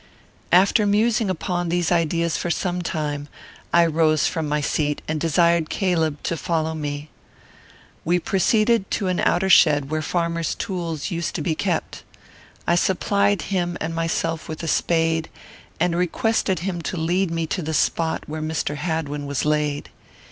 After musing upon these ideas for some time, I rose from my seat, and desired Caleb to follow me. We proceeded to an outer shed where farmers' tools used to be kept. I supplied him and myself with a spade, and requested him to lead me to the spot where Mr. Hadwin was laid.